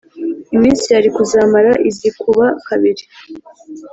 iminsi yari kuzamara izikuba kabiri.